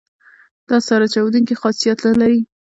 دا سره چاودیدونکي خاصیت نه لري.